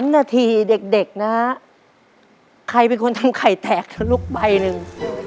๓นาทีเด็กนะฮะใครเป็นคนทำไข่แตกแล้วลุกใบหนึ่ง